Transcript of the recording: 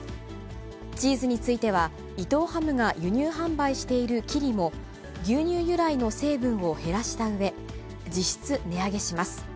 チーズについては、伊藤ハムが輸入販売しているキリも、牛乳由来の成分を減らしたうえ、実質値上げします。